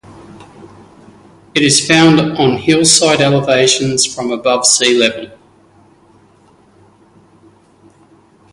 It is found on hillside elevations from above sea level.